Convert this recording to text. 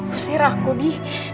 usir aku di